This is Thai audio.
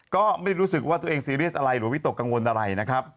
ก็ไม่รู้สึกว่าตัวเองซีเรียสอะไรหรือวิตกกังวลอะไรนะครับ